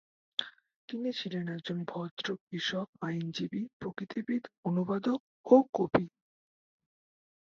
তিনি ছিলেন একজন ভদ্র কৃষক, আইনজীবী, প্রকৃতিবিদ, অনুবাদক ও কবি।